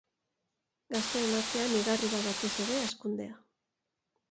Gazteen artean igarri da batez ere hazkundea.